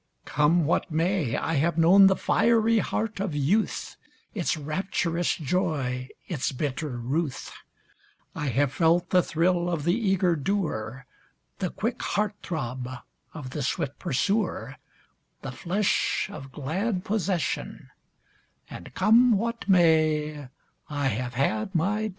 Come what may, I have known the fiery heart of youth, Its rapturous joy, its bitter ruth ; I have felt the thrill of the eager doer, The quick heart throb of the swift pursuer, The flush of glad possession — And, come what may, I have had my day